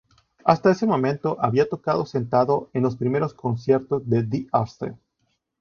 Hasta ese momento había tocado sentado en los primeros conciertos de Die Ärzte.